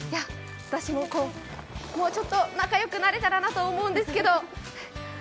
私ももうちょっと仲よくなれたらなと思うんですけど